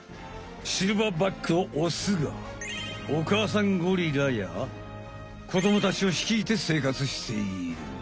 シルバーバックのオスがお母さんゴリラや子どもたちをひきいて生活している。